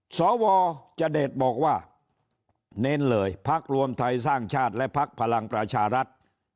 สวจเดชบอกว่าเน้นเลยพักรวมไทยสร้างชาติและพักพลังประชารัฐ